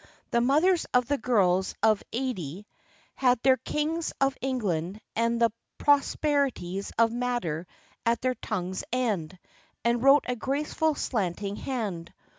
The mothers of the girls of '80 had their Kings of England and the Proper ties of Matter at their tongue's end, and wrote a graceful slanting hand.